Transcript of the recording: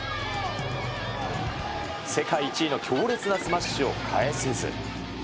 世界１位の強烈なスマッシュを返せず。